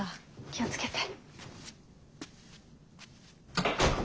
気を付けて。